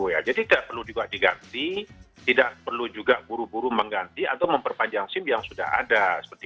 jadi tidak perlu juga diganti tidak perlu juga buru buru mengganti atau memperpanjang sim yang sudah ada